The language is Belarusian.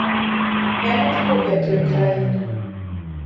Я люблю гэтую краіну!